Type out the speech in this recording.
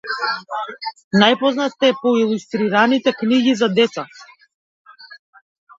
Најпознат е по илустрираните книги за деца.